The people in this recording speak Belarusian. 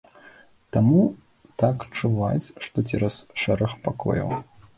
Таму так чуваць, што цераз шэраг пакояў.